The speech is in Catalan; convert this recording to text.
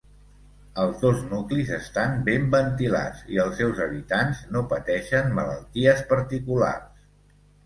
Els dos nuclis estan ben ventilats, i els seus habitants no pateixen malalties particulars.